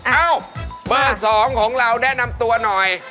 เอ้าเบอร์๒ของเราแนะนำตัวหน่อย